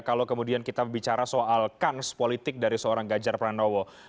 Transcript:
kalau kemudian kita bicara soal kans politik dari seorang ganjar pranowo